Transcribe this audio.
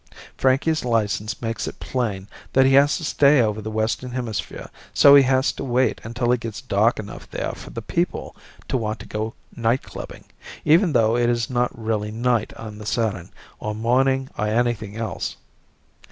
Frankie's license makes it plain that he has to stay over the western hemisphere so he has to wait until it gets dark enough there for the people to want to go night clubbing, even though it is not really night on the Saturn, or morning or anything else.